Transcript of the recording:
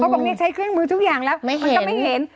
เขาบอกเนี้ยใช้เครื่องมือทุกอย่างแล้วไม่เห็นไม่เห็น